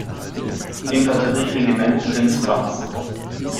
Infanterie-Regiment „Prinz Franz“.